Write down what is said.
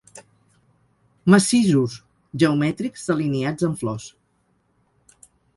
Macisos geomètrics delineats amb flors